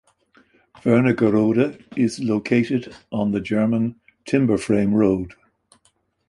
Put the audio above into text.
Wernigerode is located on the German Timber-Frame Road.